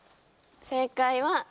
正解は？